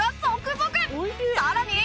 さらに